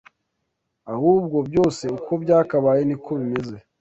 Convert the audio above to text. ahubwo byose uko byakabaye niko bimeze